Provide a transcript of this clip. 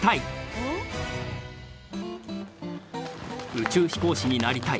宇宙飛行士になりたい。